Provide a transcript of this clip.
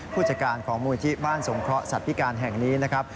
ผู้จัดการของมูลที่บ้านสงเคราะหสัตว์พิการแห่งนี้นะครับ